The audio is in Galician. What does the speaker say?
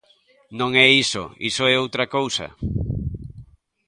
Non é iso, iso é outra cousa.